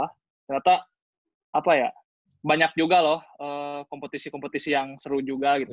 ternyata banyak juga loh kompetisi kompetisi yang seru juga gitu